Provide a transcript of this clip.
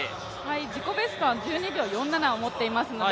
自己ベストは１２秒４７を持っていますので、